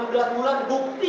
enam belas bulan bukti